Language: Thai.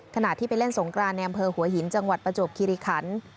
ขณะที่ไปเล่นสงกรานในอำเภอหัวหินจังหวัดประจวบคิริขัน